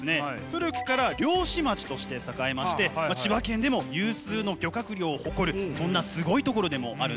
古くから漁師町として栄えまして千葉県でも有数の漁獲量を誇るそんなすごい所でもあるんですよね。